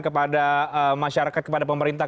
kepada masyarakat kepada pemerintah